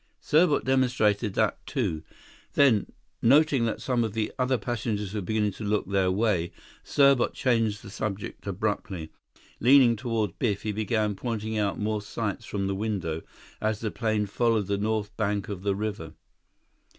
Serbot demonstrated that, too. Then, noting that some of the other passengers were beginning to look their way, Serbot changed the subject abruptly. Leaning toward Biff, he began pointing out more sights from the window, as the plane followed the north bank of the river.